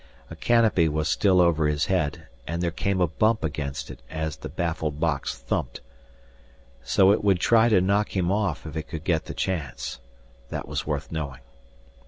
A canopy was still over his head, and there came a bump against it as the baffled box thumped. So it would try to knock him off if it could get the chance! That was worth knowing.